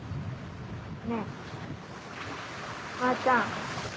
ねぇまーちゃん。